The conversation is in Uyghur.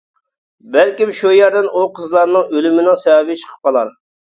بەلكىم شۇ يەردىن ئۇ قىزلارنىڭ ئۆلۈمىنىڭ سەۋەبى چىقىپ قالار!